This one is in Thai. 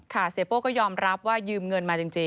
เสียโป้ก็ยอมรับว่ายืมเงินมาจริง